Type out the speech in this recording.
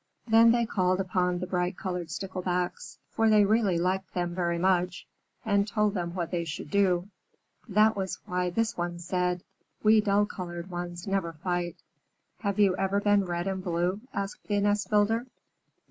Then they called upon the bright colored Sticklebacks, for they really liked them very much, and told them what they should do. That was why this one said, "We dull colored ones never fight." "Have you ever been red and blue?" asked the nest builder.